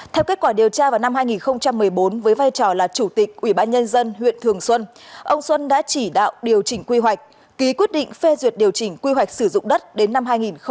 theo kết quả điều tra vào năm hai nghìn một mươi bốn với vai trò là chủ tịch ủy ban nhân dân huyện thường xuân ông xuân đã chỉ đạo điều chỉnh quy hoạch ký quyết định phê duyệt điều chỉnh quy hoạch sử dụng đất đến năm hai nghìn hai mươi